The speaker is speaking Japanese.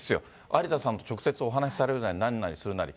有田さんと直接お話されるなり、なんなりするなり。